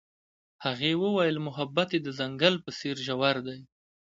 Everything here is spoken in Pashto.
هغې وویل محبت یې د ځنګل په څېر ژور دی.